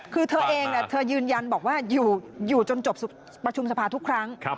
คือเธอเองเธอยืนยันบอกว่าอยู่จนจบประชุมสภาทุกครั้ง